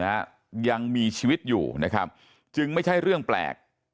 นะฮะยังมีชีวิตอยู่นะครับจึงไม่ใช่เรื่องแปลก